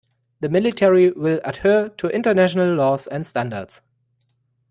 The Military will adhere to international laws and standards.